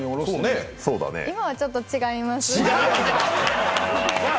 今はちょっと違います。